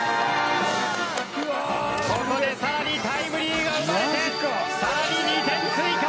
ここで更にタイムリーが生まれて更に２点追加。